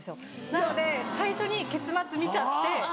なので最初に結末見ちゃって。